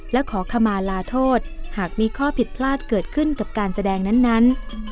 และขอขมาลาโทษหากมีข้อผิดพลาดเกิดขึ้นกับการแสดงนั้น